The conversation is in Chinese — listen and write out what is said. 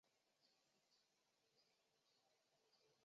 长颈部可使鱼群较慢发现到薄板龙。